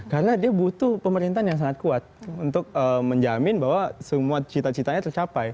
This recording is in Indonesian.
karena dia butuh pemerintahan yang sangat kuat untuk menjamin bahwa semua cita citanya tercapai